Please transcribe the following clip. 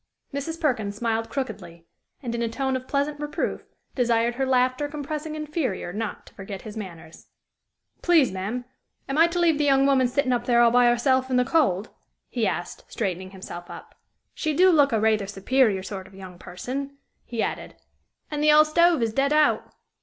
Mrs. Perkin smiled crookedly, and, in a tone of pleasant reproof, desired her laughter compressing inferior not to forget his manners. "Please, ma'am, am I to leave the young woman sittin' up there all by herself in the cold?" he asked, straightening himself up. "She do look a rayther superior sort of young person," he added, "and the 'all stove is dead out."